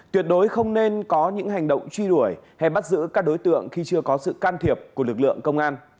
tuyệt đối không nên có những hành động truy đuổi hay bắt giữ các đối tượng khi chưa có sự can thiệp của lực lượng công an